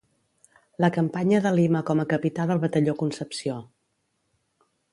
La Campanya de Lima com a Capità del Batalló Concepció.